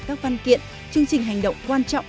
các văn kiện chương trình hành động quan trọng